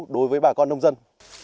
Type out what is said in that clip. đối với bà con nông dân